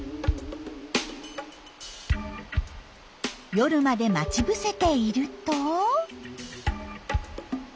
夜まで待ち伏せていると。